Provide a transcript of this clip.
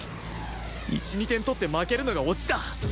１２点取って負けるのがオチだ